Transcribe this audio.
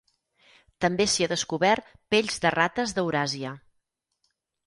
També s'hi ha descobert pells de rates d'Euràsia.